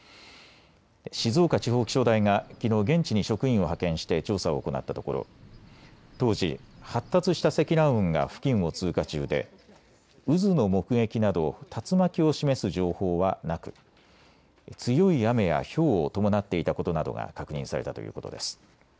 静岡地方気象台がきのう現地に職員を派遣して調査を行ったところ、当時、発達した積乱雲が付近を通過中で渦の目撃など竜巻を示す情報はなく強い雨やひょうを伴っていたことなどが確認されたということです。